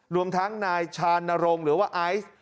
รวมทั้งนายชานรงค์หรือว่าไอซ์